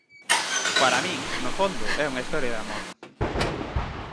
Para min, no fondo, é unha historia de amor.